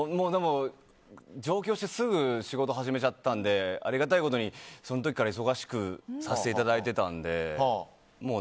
上京してすぐ仕事始めちゃったのでありがたいことに、その時から忙しくさせていただいていたのでもう